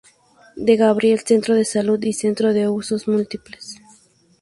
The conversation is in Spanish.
De Gabriel, Centro de Salud y Centro de Usos Múltiples.